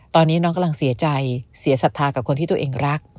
ตอนนี้น้องกำลังเสียใจเสียศรัทธากับคนที่ตัวเองรัก